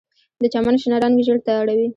د چمن شنه رنګ ژیړ ته اړوي